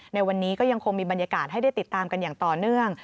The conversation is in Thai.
ในวันนี้ก็ยังคงมีบรรยากาศให้ได้ติดตามกันอย่างต่อเนื่อง